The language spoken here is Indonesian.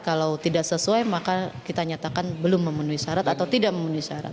kalau tidak sesuai maka kita nyatakan belum memenuhi syarat atau tidak memenuhi syarat